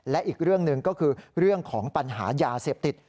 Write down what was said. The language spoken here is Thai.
และอีกเรื่องหนึ่งก็คือเรื่องของปัญหายาเสพติด